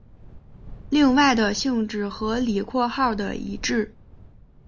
另外的性质和李括号的一致。